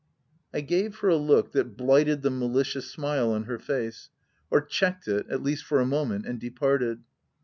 I gave her a look that blighted the malicious smile on her face — or checked it, at least for a moment — and departed.